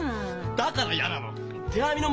だから嫌なの！